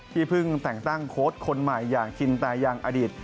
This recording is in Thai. เพิ่งแต่งตั้งโค้ดคนใหม่อย่างชินตายังอดีต